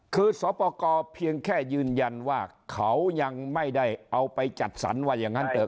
คือสปกรเพียงแค่ยืนยันว่าเขายังไม่ได้เอาไปจัดสรรว่าอย่างนั้นเถอ